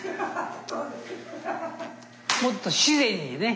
もっと自然にね。